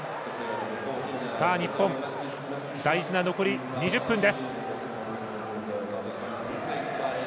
日本、大事な残り２０分です。